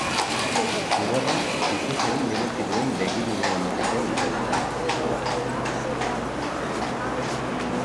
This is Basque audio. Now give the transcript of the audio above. Zigorra bizitzari merezi duen begirunea emateko izan zen.